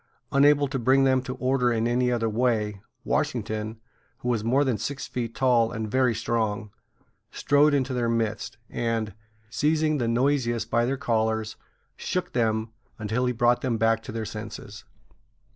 Unable to bring them to order in any other way, Washington, who was more than six feet tall and very strong, strode into their midst, and, seizing the noisiest by their collars, shook them until he brought them back to their senses.